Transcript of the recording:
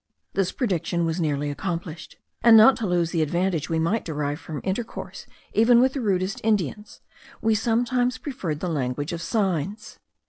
This prediction was nearly accomplished; and, not to lose the advantage we might derive from intercourse even with the rudest Indians, we sometimes preferred the language of signs.